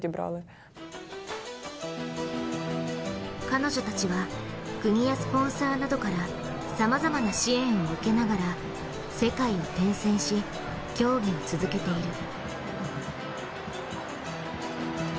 彼女たちは国やスポンサーなどからさまざまな支援を受けながら世界を転戦し、競技を続けている。